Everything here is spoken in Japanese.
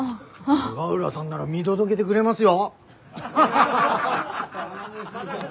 永浦さんなら見届げでくれますよ。